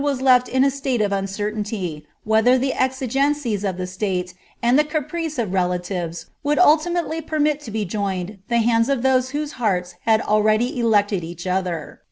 was lert in h state of iincerlainty, whether the exigencies t and the caprice of relatives would ultimately permit to be hands of those whcwe hearts had already elected each other.